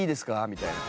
みたいな。